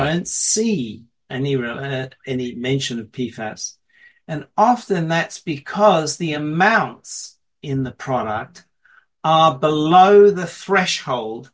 biasanya tidak ada pelabelan langsung pfas dalam produk yang dijual di australia